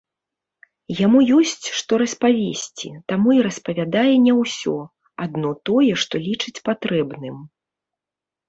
Яму ёсць, што распавесці, таму і распавядае не ўсё, адно тое, што лічыць патрэбным.